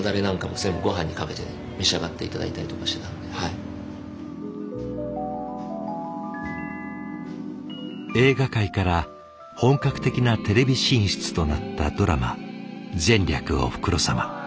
基本的に映画界から本格的なテレビ進出となったドラマ「前略おふくろ様」。